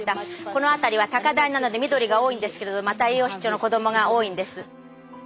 この辺りは高台なので緑が多いんですけれどまた栄養失調の子供が多いんです。